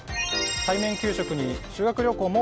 対面給食に修学旅行もＯＫ